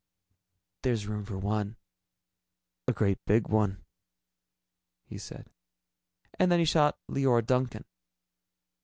"There's room for one a great big one," he said. And then he shot Leora Duncan.